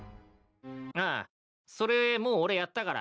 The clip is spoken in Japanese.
ああそれもう俺やったから。